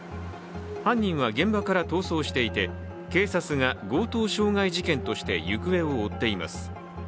犯人は現場から逃走していて警察が強盗傷害事件として行方を追っています。